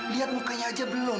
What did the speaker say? lihat mukanya aja belum